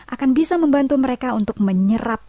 akan bisa membantu mereka untuk menyerap